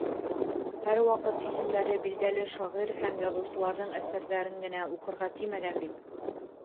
Һәр ваҡыт исемдәре билдәле шағир һәм яҙыусыларҙың әҫәрҙәрен генә уҡырға тимәгән бит?!